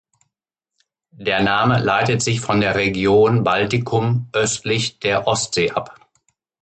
Der Name leitet sich von der Region Baltikum östlich der Ostsee ab.